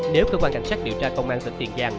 nếu cơ quan cảnh sát điều tra công an tỉnh tiền giang